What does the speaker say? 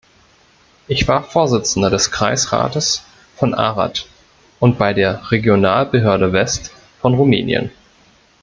Ich war Vorsitzender des Kreisrates von Arad und bei der Regionalbehörde West von Rumänien.